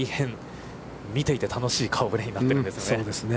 見ていて大変楽しい顔ぶれになっているんですね。